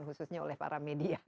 khususnya oleh para media